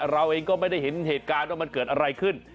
เราเองก็ไม่ได้เห็นเหตุการณ์ว่ามันเกิดอะไรขึ้น